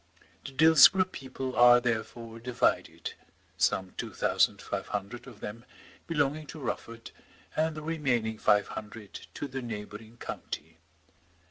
The Dillsborough people are therefore divided, some two thousand five hundred of them belonging to Rufford, and the remaining five hundred to the neighbouring county.